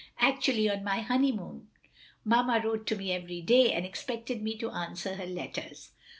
Acttmlly on my honeymoon Mamma wrote to me every day, and expected me to answer her letters!